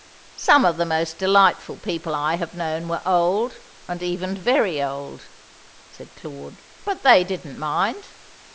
"Some of the most delightful people I have known were old, and even very old," said Claude, "but they didn't mind.